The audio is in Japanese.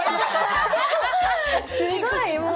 すごいもう。